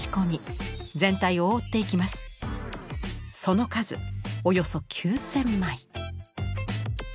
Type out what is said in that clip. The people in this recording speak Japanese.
その数およそ９，０００枚！